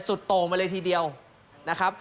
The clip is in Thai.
โตมาเลยทีเดียวนะครับ